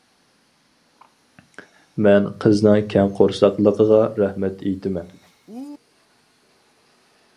مەن قىزنىڭ كەڭ قورساقلىقىغا رەھمەت ئېيتىمەن.